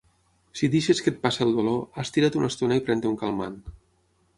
Si deixes que et passi el dolor, estira't una estona i pren-te un calmant.